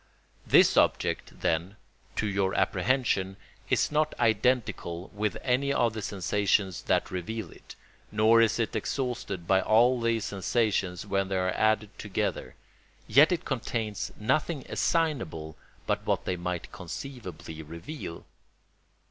This object, then, to your apprehension, is not identical with any of the sensations that reveal it, nor is it exhausted by all these sensations when they are added together; yet it contains nothing assignable but what they might conceivably reveal.